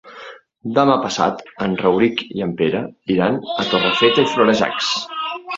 Demà passat en Rauric i en Pere iran a Torrefeta i Florejacs.